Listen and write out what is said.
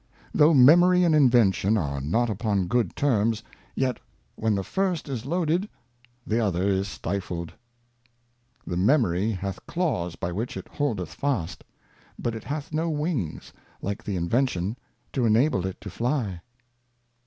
THOUGH Memory and Invention are not upon good Terms, Faculties vet when the first is loaded, the other is stifled. C'*f •'.„ Mind. The Memory hath Claws by which it holdeth fast; but it hath no Wings, like the Invention, to enable it to fly.